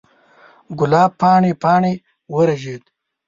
ګلاب پاڼې، پاڼې ورژید